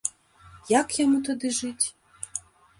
Як яму тады жыць?